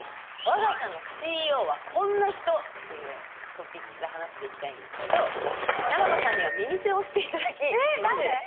「我が社のＣＥＯはこんな人！」っていうトピックスで話していきたいんですけど永野さんには耳栓をしていただきえなんで！？